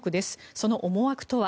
その思惑とは。